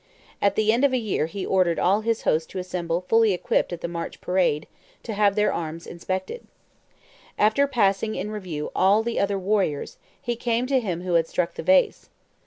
At the end of a year he ordered all his host to assemble fully equipped at the March parade, to have their arms inspected. After having passed in review all the other warriors, he came to him who had struck the vase.